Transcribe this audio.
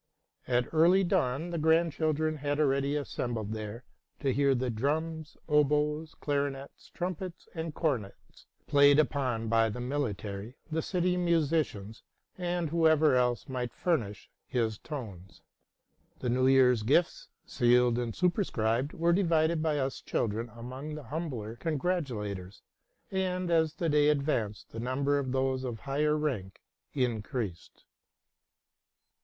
At early dawn the grand children had already assembled there to hear the drums, oboes, clarinets, trumpets, and cornets played upon by the military, the city musicians, and whoever else might furnish his tones. The New Year's gifts, sealed and superscribed, were divided by us children among the humbler congratu lators: and, as the day advanced, the number of those of higher rank increased.